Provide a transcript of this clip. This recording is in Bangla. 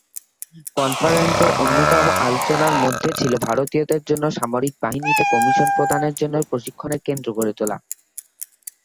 কনফারেন্সের অন্যতম আলোচনার মধ্যে ছিলো ভারতীয়দের জন্য সামরিক বাহিনীতে কমিশন প্রদানের জন্য প্রশিক্ষণ কেন্দ্র গড়ে তোলা।